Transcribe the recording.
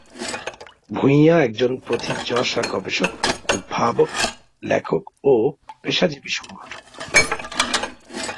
ভূঁইয়া একজন প্রথিতযশা গবেষক, উদ্ভাবক, লেখক ও পেশাজীবী সংগঠক।